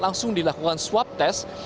langsung dilakukan swab test